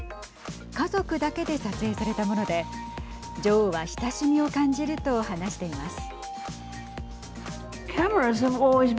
家族だけで撮影されたもので女王は親しみを感じると話しています。